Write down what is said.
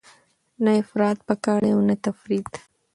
نه افراط پکار دی او نه تفریط.